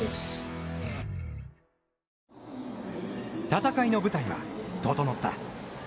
戦いの舞台は整った。